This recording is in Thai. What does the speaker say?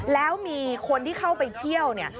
แล้วมีคนที่เข้าไปเที่ยวเนี่ย